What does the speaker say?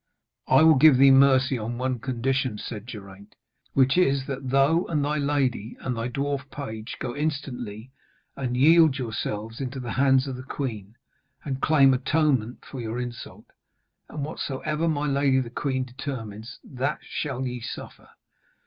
'I will give thee mercy on one condition,' said Geraint, 'which is that thou and thy lady and thy dwarf page go instantly and yield yourselves into the hands of the queen, and claim atonement for your insult. And whatsoever my lady the queen determines, that shall ye suffer.